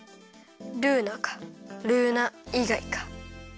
ルーナかルーナいがいか。